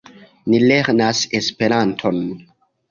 Ni lernas Esperanton.